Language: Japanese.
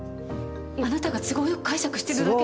あなたが都合よく解釈してるだけで。